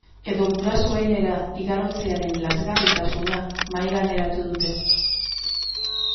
Edo gurasoenera igarotzearen lazgarritasuna mahaigaineratu dute.